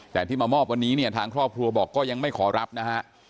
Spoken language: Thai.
แต่ที่มามอบวันนี้เนี่ยทางครอบครัวบอกก็ยังไม่ขอรับนะฮะ